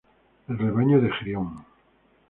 El rebaño de Gerión.